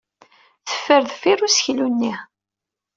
Teffer deffir useklu-nni.